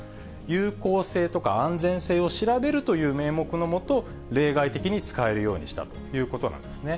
有効性とか安全性を調べるという名目のもと、例外的に使えるようにしたということなんですね。